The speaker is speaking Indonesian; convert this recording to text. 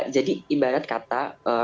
jadi ibarat kata